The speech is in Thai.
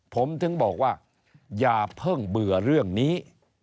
ผมถึงบอกว่าอย่าเพิ่งเบื่อเรื่องนี้